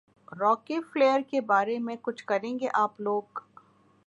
راکی Flair کے بارے میں کچھ کریں گے آپ لوگ